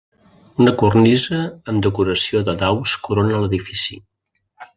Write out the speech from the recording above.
Una cornisa amb decoració de daus corona l'edifici.